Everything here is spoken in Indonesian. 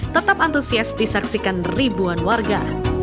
tetap antusias disaksikan ribuan warga